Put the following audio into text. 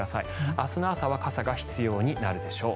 明日の朝は傘が必要になるでしょう。